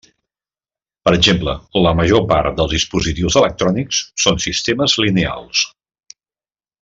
Per exemple, la major part dels dispositius electrònics són sistemes lineals.